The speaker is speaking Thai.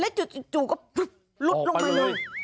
แล้วจุดจูก็ลุดลงมาเลย